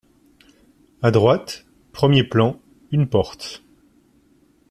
À droite, premier plan, une porte.